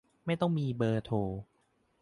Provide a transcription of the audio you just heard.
ไม่ต้องมีเบอร์โทร